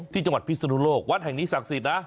ที่จังหวัดพิศนุโลกวัดแห่งนี้ศักดิ์สิทธิ์นะ